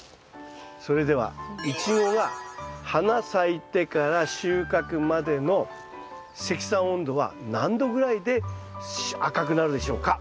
それではイチゴが花咲いてから収穫までの積算温度は何度ぐらいで赤くなるでしょうか？